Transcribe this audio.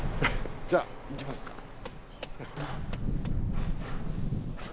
じゃあ、行きますか。